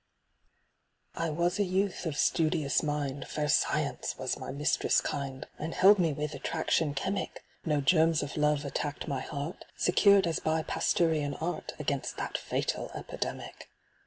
I WAS a youth of studious mind, Fair Science was my mistress kind, And held me with attraction chemic ; No germs of Love attacked my heart. Secured as by Pasteurian art Against that fatal epidemic.